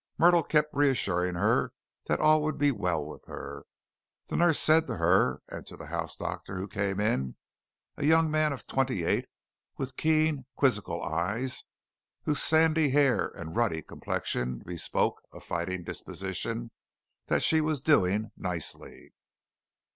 Myrtle kept reassuring her that all would be well with her. The nurse said to her and to the house doctor who came in, a young man of twenty eight, with keen, quizzical eyes, whose sandy hair and ruddy complexion bespoke a fighting disposition, that she was doing nicely.